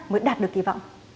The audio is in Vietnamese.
mới đạt được kỳ vọng